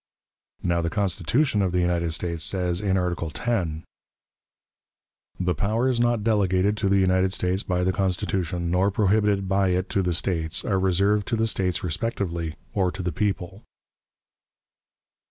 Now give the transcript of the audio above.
Now the Constitution of the United States says, in Article X: "The powers not delegated to the United States by the Constitution, nor prohibited by it to the States, are reserved to the States respectively, or to the people."